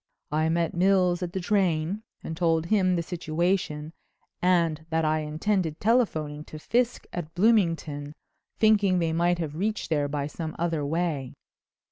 I met Mills at the train and told him the situation and that I intended telephoning to Fiske at Bloomington, thinking they might have reached there by some other way.